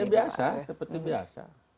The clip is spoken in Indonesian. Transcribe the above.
ya biasa seperti biasa